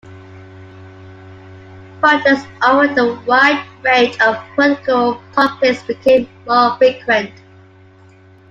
Protests over a wide range of political topics became more frequent.